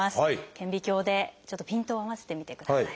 顕微鏡でちょっとピントを合わせてみてください。